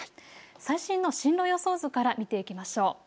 最新の進路予想図から見ていきましょう。